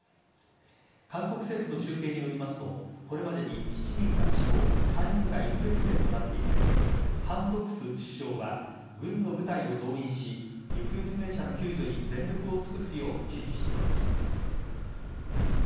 韓国政府の集計によりますとこれまでに７人が死亡３人が行方不明となっていてハン・ドクス首相は軍の部隊を動員し行方不明者の救助に全力を尽くすよう指示しています。